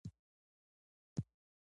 لومړۍ برخه د عدم تشدد فلسفه ده.